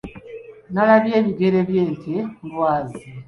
Nalabwe ebigere by’ente ku lwazi.